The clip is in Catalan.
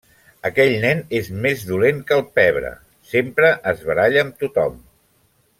Aquell nen és més dolent que el pebre. Sempre es baralla amb tothom.